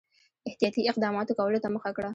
احتیاطي اقداماتو کولو ته مخه کړه.